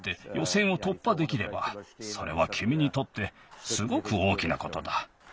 せんをとっぱできればそれはきみにとってすごく大きなことだ。